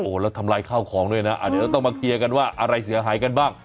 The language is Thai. แล้วทำลายข้าวของด้วยนะเดี๋ยวต้องมาเคลียร์กันว่าอะไรเสียหายกันบ้าง